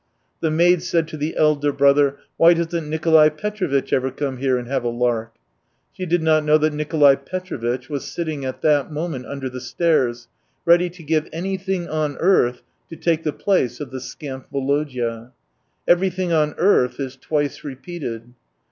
The maid 105 said to the elder brother, "Why doesn't Nicolai Petrovitch ever come here and have a lark ?" She did not know that Nicolai Petrovitch was sitting at that moment under the stairs, ready to give anything on earth to take the place of the scamp Volodya. " Everything on earth " is twice repeated.